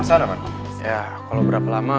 di sana man ya kalau berapa lama